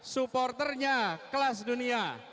supporternya kelas dunia